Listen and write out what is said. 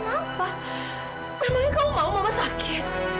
memangnya kamu mau mama sakit